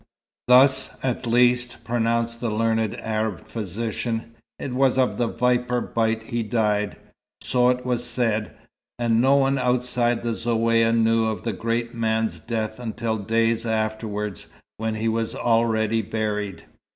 Thus, at least, pronounced the learned Arab physician. It was of the viper bite he died, so it was said, and no one outside the Zaouïa knew of the great man's death until days afterwards, when he was already buried.